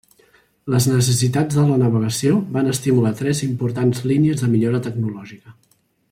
Les necessitats de la navegació van estimular tres importants línies de millora tecnològica.